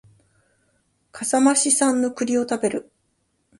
笠間市産の栗を食べる